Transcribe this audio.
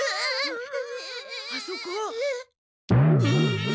あそこ！